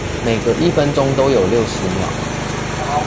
每個一分鐘都有六十秒